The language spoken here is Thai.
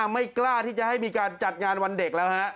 ไม่กล้าที่จะให้มีการจัดงานวันเด็กแล้วฮะ